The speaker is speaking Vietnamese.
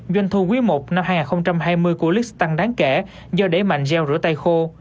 doanh thu quý i năm hai nghìn hai mươi của lit tăng đáng kể do đẩy mạnh reo rửa tay khô